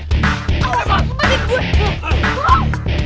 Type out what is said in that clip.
lihat yang disini